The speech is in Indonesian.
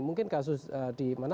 mungkin kasus di mana